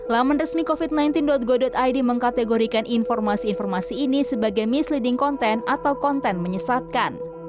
laman resmi covid sembilan belas go id mengkategorikan informasi informasi ini sebagai misleading content atau konten menyesatkan